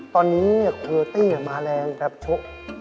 ตอนนี้เนี่ยโคโรตี้มาแรงแบบโชว์